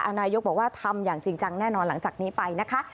นายกบอกว่าทำอย่างจริงจังแน่นอนหลังจากนี้ไปนะคะ